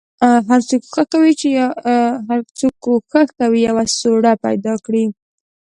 هر څوک کوښښ کوي یوه سوړه پیدا کړي.